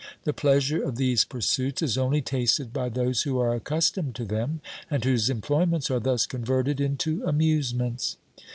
The pleasure of these pursuits is only tasted by those who are accustomed to them, and whose employments are thus converted into amusements.